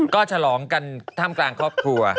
ก็ฉลองกันท่ามกลางครอบครัว